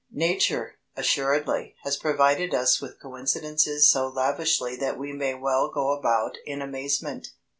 Nature, assuredly, has provided us with coincidences so lavishly that we may well go about in amazement.